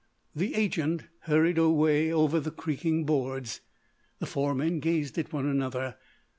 The agent hurried away over the creaking boards. The four men gazed at one another.